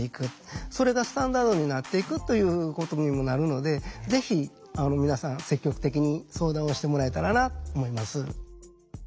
それがスタンダードになっていくということにもなるのでぜひ皆さん積極的に相談をしてもらえたらなと思います。